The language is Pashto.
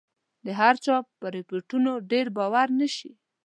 د هرچا په رپوټونو ډېر باور نه شي.